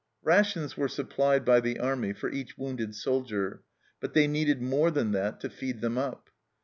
Rations were supplied by the army for each wounded soldier, but they needed more than that to feed them up.